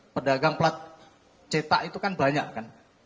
pedagang plat cetak itu kan banyak kan